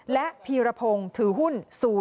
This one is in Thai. และพิระพงศ์ถือหุ้น๐๐๐๐๑